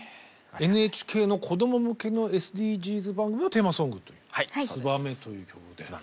ＮＨＫの子ども向けのＳＤＧｓ番組のテーマソングと「ツバメ」という曲で。